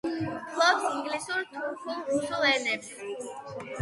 ფლობს ინგლისურ, თურქულ, რუსულ ენებს.